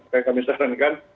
kayak kami sarankan